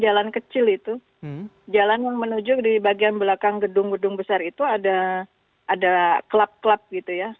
jalan kecil itu jalan yang menuju di bagian belakang gedung gedung besar itu ada klub klub gitu ya